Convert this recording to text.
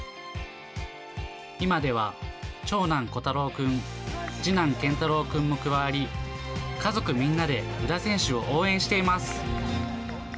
今では長男、こたろうくん、次男、健太郎くんも加わり、家族みんなで宇田選手を応援しています。